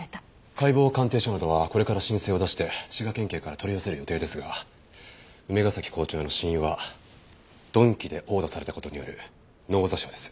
解剖鑑定書などはこれから申請を出して滋賀県警から取り寄せる予定ですが梅ヶ崎校長の死因は鈍器で殴打された事による脳挫傷です。